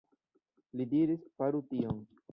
Li diris, faru tion.